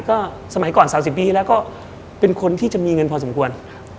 ก็สมัยก่อน๓๐ปีแล้วก็เป็นคนที่จะมีเงินพอสมควร